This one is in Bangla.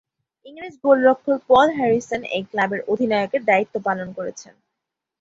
ইংরেজ গোলরক্ষক পল হ্যারিসন এই ক্লাবের অধিনায়কের দায়িত্ব পালন করছেন।